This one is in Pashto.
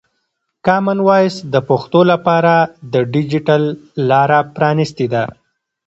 کامن وایس د پښتو لپاره د ډیجیټل لاره پرانستې ده.